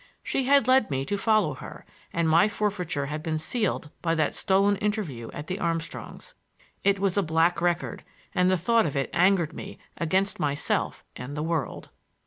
She had led me to follow her, and my forfeiture had been sealed by that stolen interview at the Armstrongs'. It was a black record, and the thought of it angered me against myself and the world.